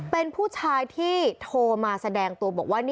เป็นผู้ชายที่โทรมาแสดงตัวบอกว่า